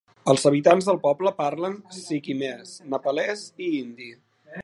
Els habitants del poble parlen sikkimès, nepalès i hindi.